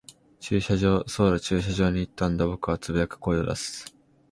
駐車場。そうだ、駐車場に行ったんだ。僕は呟く、声を出す。